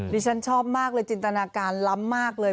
ดิฉันชอบมากเลยจินตนาการล้ำมากเลย